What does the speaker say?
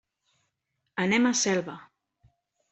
Anem a Selva.